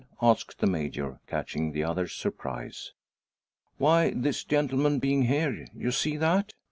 asks the Major, catching the other's surprise. "Why, this gentleman being here. You see that?"